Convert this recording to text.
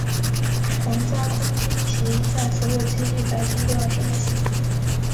皇家空军旗在所有基地白天都要升起。